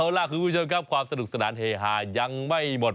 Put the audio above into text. เอาล่ะคุณผู้ชมครับความสนุกสนานเฮฮายังไม่หมด